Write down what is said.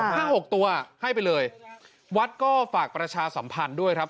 ห้าหกตัวให้ไปเลยวัดก็ฝากประชาสัมพันธ์ด้วยครับ